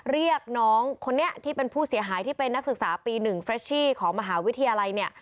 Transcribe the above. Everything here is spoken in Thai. เรียกน้องคนนี้ที่เป็นผู้เสียหายที่เป็นนักศึกษาปี๑เฟรชชี่ของมหาวิทยาลัยเนี่ย